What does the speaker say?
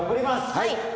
はい。